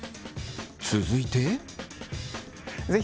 続いて。